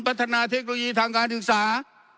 พัฒนาเทคโนโลยีทางการศึกษา